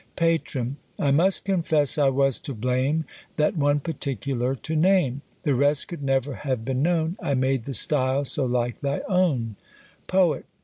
PATRON. I must confess I was to blame, That one particular to name; The rest could never have been known I made the style so like thy own. POET.